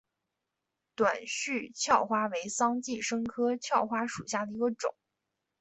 短序鞘花为桑寄生科鞘花属下的一个种。